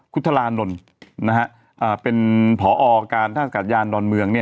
คุณธรานนท์เป็นผอการท่าอากาศยานดอนเมือง